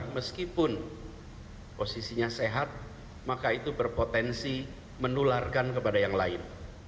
meskipun posisinya sehat maka itu berpotensi menularkan kepada yang lain